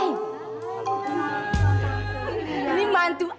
ini mantu i